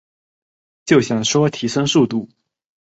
就想说提升速度